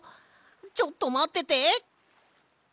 ちょっとまってて！